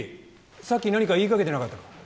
さっき何か言いかけてなかったか？